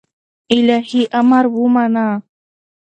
الهي امر ومانه